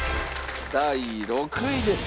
第６位です。